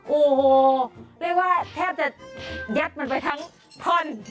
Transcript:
โอ้โหเรียกว่าแทบจะยัดมันไปทั้งท่อน